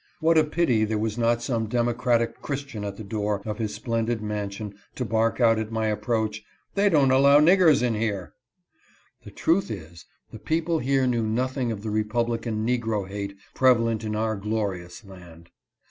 What a pity there was not some democratic Chris tian at the door of his splendid mansion to bark out at nay approach, " They don't allow niggers in here !" The truth is, the people here knew nothing of the republican negro hate prevalent in our glorious land.